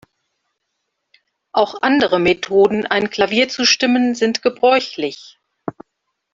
Auch andere Methoden, ein Klavier zu stimmen, sind gebräuchlich.